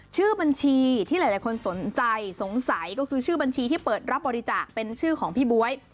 ชื่อบัญชีที่หลายคนสนใจสงสัยก็คือชื่อบัญชีที่เปิดรับบริจาคเป็นชื่อของพี่บ๊วย